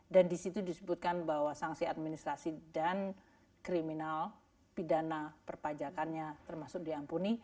dan disitu disebutkan bahwa sangsi administrasi dan kriminal pidana perpajakannya termasuk diampuni